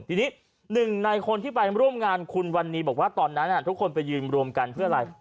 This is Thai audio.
ทีนี้หนึ่งในคนที่ไปร่วมงานคุณวันนี้บอกว่าตอนนั้นทุกคนไปยืนรวมกันเพื่ออะไร